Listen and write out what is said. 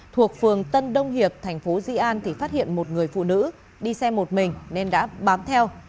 thuộc phường tân đông hiệp thành phố di an thì phát hiện một người phụ nữ đi xe một mình nên đã bám theo